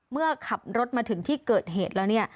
เมื่อขับรถมาถึงที่เกิดเหตุแล้วเนี่ย